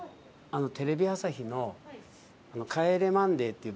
テレビ朝日の『帰れマンデー』っていう番組で今。